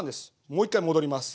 もう一回戻ります。